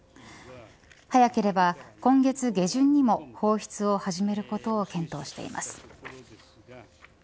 早ければ、今月下旬にも放出を始めることを検討しています。